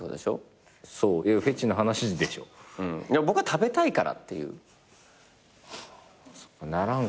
食べたいからっていう。